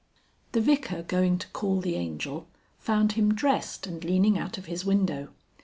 XXII. The Vicar going to call the Angel, found him dressed and leaning out of his window.